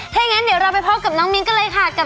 เถอะอย่างงั้นเดี๋ยวเราไปพบเรื่องน้องมินกันเลยค่ะ